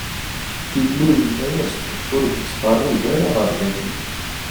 Illu yenna-as-d: Ur d-ttqerrib ara ɣer dagi!